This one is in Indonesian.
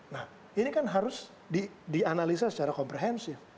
nah ini kan harus dianalisa secara komprehensif